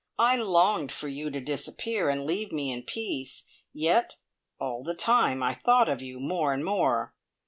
I longed for you to disappear and leave me in peace, yet all the time I thought of you more and more.